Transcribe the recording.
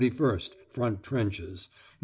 31st. Front trenches. Nov.